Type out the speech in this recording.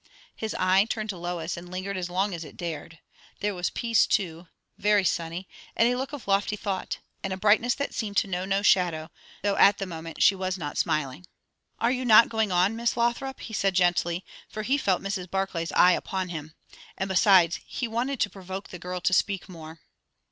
His eye turned to Lois, and lingered as long as it dared. There was peace too, very sunny, and a look of lofty thought, and a brightness that seemed to know no shadow; though at the moment she was not smiling. "Are you not going on, Miss Lothrop?" he said gently; for he felt Mrs. Barclay's eye upon him. And, besides, he wanted to provoke the girl to speak more.